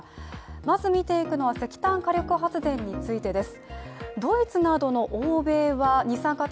まず見ていくのは石炭火力発電についてです。